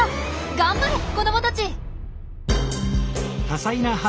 頑張れ子どもたち！